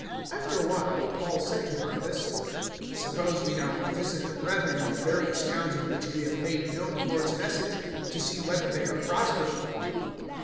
015:036 After a while Paul said to Barnabas, "Suppose we now revisit the brethren in the various towns in which we have made known the Lord's Message to see whether they are prospering!"